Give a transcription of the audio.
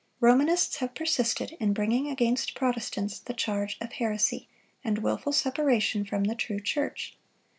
Romanists have persisted in bringing against Protestants the charge of heresy, and wilful separation from the true church.